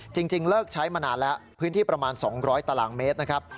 จริงเลิกใช้มานานแล้วพื้นที่ประมาณ๒๐๐ตารางเมตรนะครับ